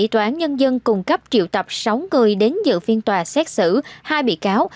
tòa án nhân dân cung cấp triệu tập sáu người đến dự phiên tòa xét xử hai bị cáo